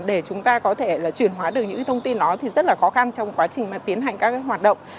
để chúng ta có thể là chuyển hóa được những thông tin đó thì rất là khó khăn trong quá trình mà tiến hành các hoạt động